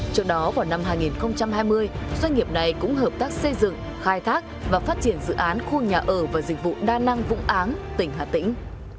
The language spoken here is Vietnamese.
trước đó vào năm hai nghìn hai mươi doanh nghiệp này cũng hợp tác xây dựng khai thác và phát triển dự án khu nhà ở và dịch vụ đa năng vũng áng tỉnh hà tĩnh